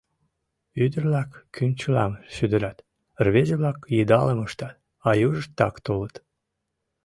Ӱдыр-влак кӱнчылам шӱдырат, рвезе-влак йыдалым ыштат, а южышт так толыт.